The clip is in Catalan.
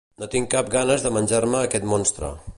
No tinc cap ganes de menjar-me aquest monstre.